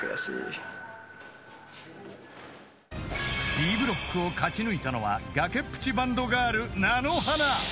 ［Ｂブロックを勝ち抜いたのは崖っぷちバンドガールなのはな］